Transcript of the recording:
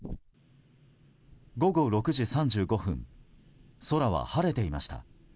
午後６時３５分空は晴れていました。